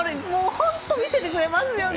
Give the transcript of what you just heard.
本当魅せてくれますよね。